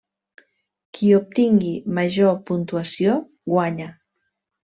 Qui obtingui major puntuació guanya.